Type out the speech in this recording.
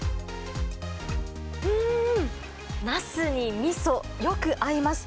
うーん、なすにみそ、よく合います。